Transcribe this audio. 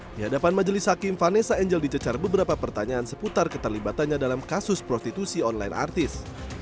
di hadapan majelis hakim vanessa angel dicecar beberapa pertanyaan seputar keterlibatannya dalam kasus prostitusi online artis